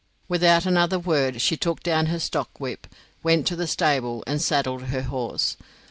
Without another word she took down her stockwhip, went to the stable, and saddled her horse.